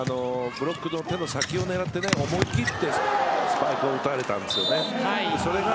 ブロックの手の先を狙って思い切ってスパイクを打たれたんですね。